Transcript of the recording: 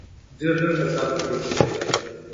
ډېر لږ کسان په دې پوهېدل.